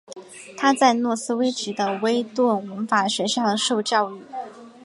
他在诺斯威奇的威顿文法学校受教育。